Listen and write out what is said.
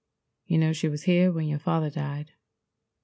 You know she was here when your father died.